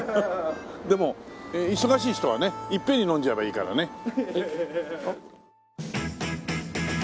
でも忙しい人はねいっぺんに飲んじゃえばいいからね。